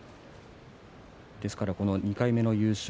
ですから２回目の優勝